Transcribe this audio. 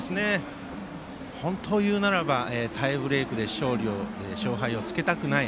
本当言うならばタイブレークで勝敗をつけたくない